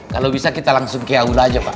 kalau bisa kita langsung ke aula aja pak